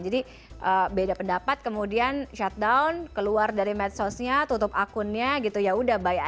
jadi beda pendapat kemudian shutdown keluar dari medsosnya tutup akunnya gitu